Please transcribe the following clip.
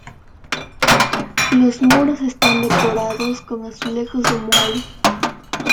Los muros están decorados con azulejos de Muel.